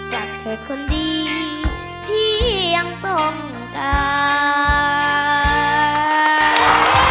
กลับเผ็ดคนดีพี่ยังต้องการ